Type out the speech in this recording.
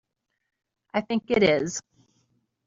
I think it is.